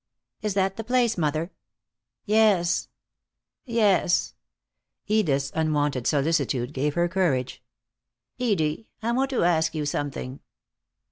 "Is that the place, mother?" "Yes." Edith's unwonted solicitude gave her courage. "Edie, I want to ask you something."